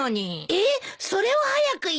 えっそれを早く言ってよ。